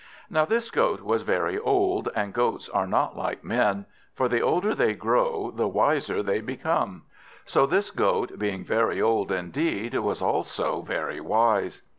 Now, this Goat was very old, and goats are not like men, for the older they grow the wiser they become. So this Goat, being very old indeed, was also very wise.